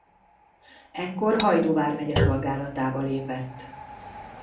Ekkor Hajdú vármegye szolgálatába lépett.